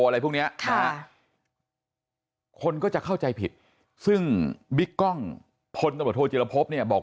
อะไรพวกนี้คนก็จะเข้าใจผิดซึ่งบิ๊กกล้องพลตบโทจิลภพบอก